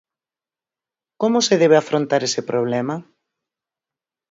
Como se debe afrontar ese problema?